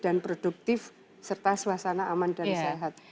dan produktif serta suasana aman dan sehat